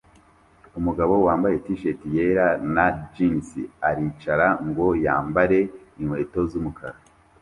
Umugabo wambaye t-shati yera na jans aricara ngo yambare inkweto z'umukara